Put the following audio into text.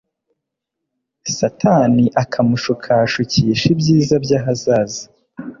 Satani akamushukashukisha ibyiza by'ahazaza.